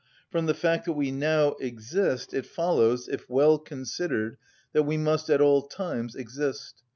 From the fact that we now exist, it follows, if well considered, that we must at all times exist.